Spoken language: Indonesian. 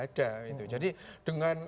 ada gitu jadi dengan